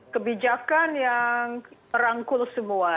kebijakan yang rangkul semua